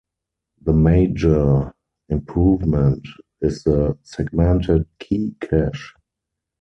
The major improvement is the "Segmented Key Cache".